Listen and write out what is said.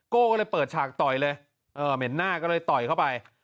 โก้ก็เลยเปิดฉากต่อยเลยเออเหม็นหน้าก็เลยต่อยเข้าไป